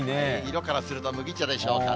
色からすると麦茶でしょうかね。